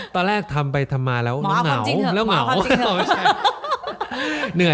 ตอนแรกทำไปทำมาแล้วหงาวหมอเอาความจริงเหอะ